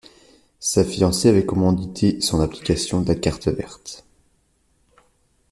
Sa fiancée avait commandité son application de la carte verte.